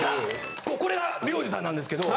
これがＲｙｏｊｉさんなんですけど。